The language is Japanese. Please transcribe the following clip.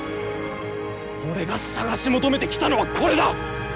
俺が探し求めてきたのはこれだ！